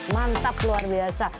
mantap luar biasa